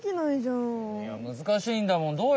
いや難しいんだもん。